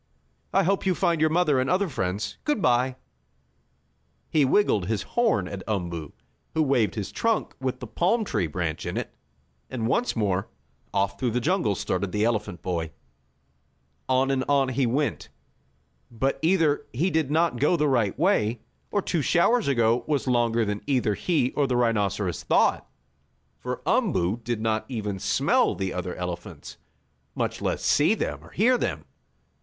"I hope you find your mother and other friends. Good bye!" He wiggled his horn at Umboo, who waved his trunk with the palm tree branch in it, and once more, off through the jungle started the elephant boy. On and on he went. But either he did not go the right way, or two showers ago was longer than either he or the rhinoceros thought, for Umboo did not even smell the other elephants, much less see them or hear them.